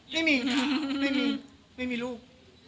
ไม่มีค่ะไม่มีไม่มีลูก